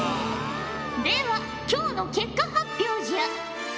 では今日の結果発表じゃ！